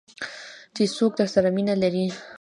چې څوک درسره مینه لري .